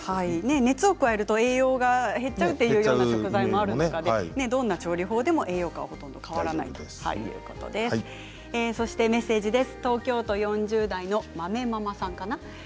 熱を加えると栄養が減っちゃうという食材がある中でどんな調理法でも栄養価も変わらないということです。